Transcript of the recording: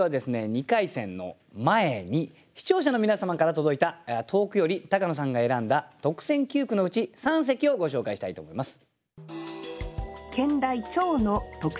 ２回戦の前に視聴者の皆様から届いた投句より高野さんが選んだ特選九句のうち三席をご紹介したいと思います。